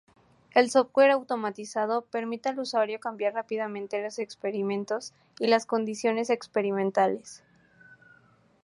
El software automatizado permite al usuario cambiar rápidamente los experimentos y las condiciones experimentales.